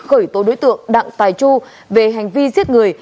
khởi tố đối tượng đặng tài chu về hành vi giết người